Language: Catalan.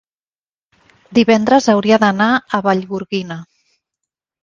divendres hauria d'anar a Vallgorguina.